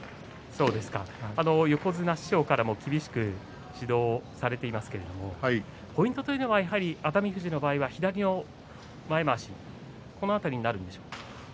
横綱、師匠からも厳しく指導されていますけれどもポイントというのはやはり熱海富士の場合は左の前まわしこの辺りになりますか？